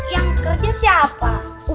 yang kerja siapa